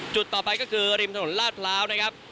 จุดต่อไปก็คือริมถนนลาดพร้าวนะครับ